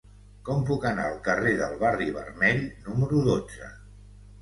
Com puc anar al carrer del Barri Vermell número dotze?